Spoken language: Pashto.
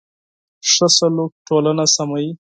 ښه سلوک ټولنه سموي.